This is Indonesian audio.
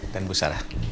dan bu sarah